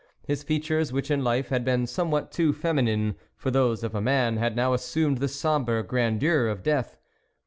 His features, which in life had been somewhat too feminine for those of a man, had now assumed the sombre grandeur of death.